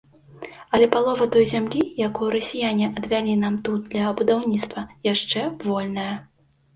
Але палова той зямлі, якую расіяне адвялі нам тут для будаўніцтва, яшчэ вольная.